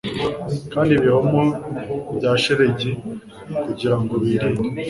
kandi ibihome bya shelegi kugirango birinde